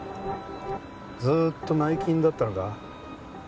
ずーっと内勤だったのか？